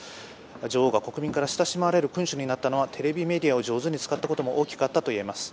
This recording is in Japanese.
女王が国民から親しまれる君主になったのはテレビメディアも上手に使ったのも大きかったと言われます。